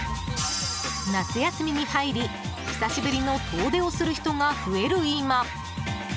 夏休みに入り、久しぶりの遠出をする人が増える今。